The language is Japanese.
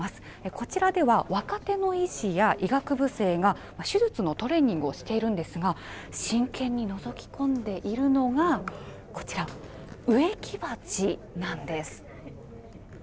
こちらでは若手の医師や医学部生が手術のトレーニングをしているんですが、真剣にのぞき込んでいるのが、こちら、植木鉢なんです。